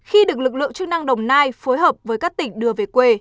khi được lực lượng chức năng đồng nai phối hợp với các tỉnh đưa về quê